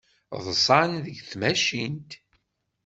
Ḍḍsen deg tmacint.